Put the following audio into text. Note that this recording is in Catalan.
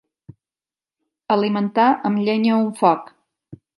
Alimentar amb llenya un foc.